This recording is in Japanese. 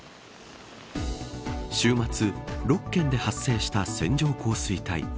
週末、６県で発生した線状降水帯